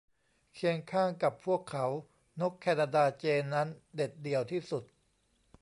เคียงข้างกับพวกเขา นกแคนาดาเจย์นั้นเด็ดเดี่ยวที่สุด